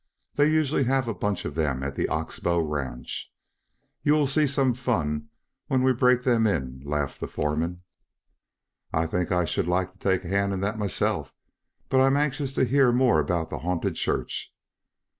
They usually have a bunch of them at the Ox Bow ranch. You will see some fun when we break them in," laughed the foreman. "I think I should like to take a hand in that myself. But I am anxious to hear more about the haunted church."